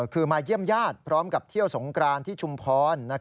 คือมาเยี่ยมญาติพร้อมกับเที่ยวสงกรานที่ชุมพร